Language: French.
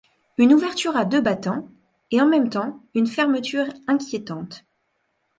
Une ouverture à deux battants ; et en même temps une fermeture inquiétante.